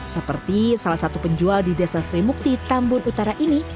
seperti salah satu penjual di dasar srimukti tambun utara ini